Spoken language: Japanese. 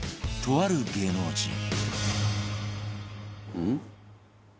「うん？」